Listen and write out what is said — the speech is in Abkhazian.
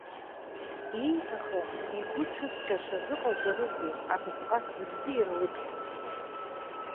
Ииҭахым, игәы цәызҟьаша зыҟалҵарызеи, абасҟак зыбзиара лыду.